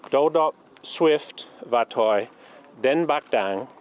đô đốc swift và thổi đến bắc đang